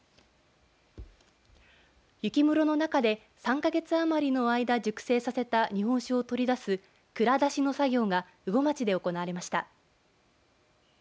雪室の中で３か月余りの間熟成させた日本酒を取り出す蔵出しの作業が羽後町で行われました。